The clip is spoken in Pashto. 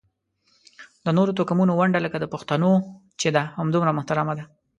د نورو توکمونو ونډه لکه د پښتنو چې ده همدومره محترمه ده.